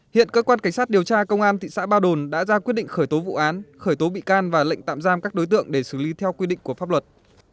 hiện cơ quan cảnh sát điều tra công an thị xã ba đồn đã ra quyết định khởi tố vụ án khởi tố bị can và lệnh tạm giam các đối tượng để xử lý theo quy định của pháp luật